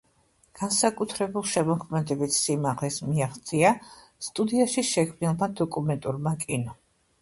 განსაკუთრებულ შემოქმედებით სიმაღლეს მიაღწია სტუდიაში შექმნილმა დოკუმენტურმა კინომ.